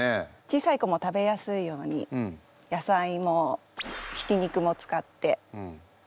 小さい子も食べやすいように野菜もひき肉も使ってこまかくして。